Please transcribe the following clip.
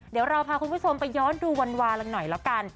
เดี๋ยวเราพาคุณผู้ชมไปย้อนดูวากันหน่อยแล้วกัน